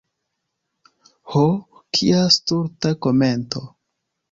Ho, kia stulta komento!